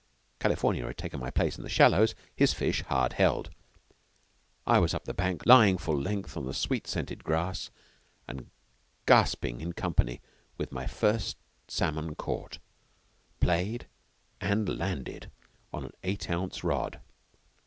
California had taken my place in the shallows, his fish hard held. I was up the bank lying full length on the sweet scented grass and gasping in company with my first salmon caught, played and landed on an eight ounce rod.